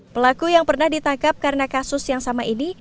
pelaku yang pernah ditangkap karena kasus yang sama ini